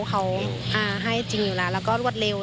เขาให้จริงอยู่แล้วแล้วก็รวดเร็ว